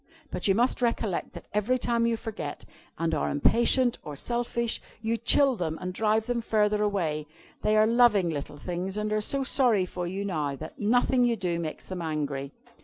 But you must recollect that every time you forget, and are impatient or selfish, you chill them and drive them farther away. They are loving little things, and are so sorry for you now, that nothing you do makes them angry.